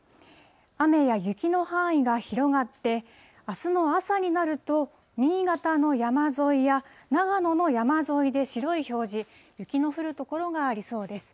雨や雪の範囲が広がって、あすの朝になると、新潟の山沿いや長野の山沿いで白い表示、雪の降る所がありそうです。